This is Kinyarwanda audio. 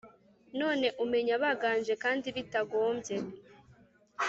None umenya baganje Kandi bitagombye !